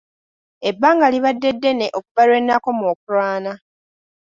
Ebbanga libaddde ddene okuva lwe nakoma okulwana.